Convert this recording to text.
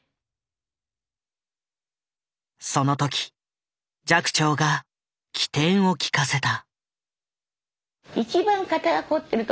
その時寂聴が機転を利かせた。